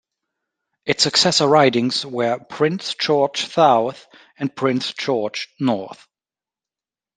Its successor ridings were Prince George South and Prince George North.